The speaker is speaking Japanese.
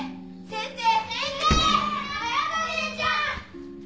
先生。